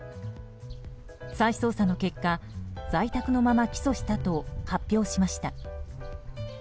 再捜査の結果在宅のまま起訴したと発表しました。